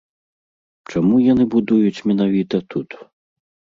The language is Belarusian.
Чаму яны будуюць менавіта тут?